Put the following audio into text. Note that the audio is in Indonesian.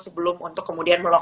sebelum untuk kemudian